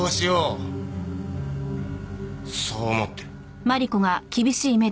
そう思って。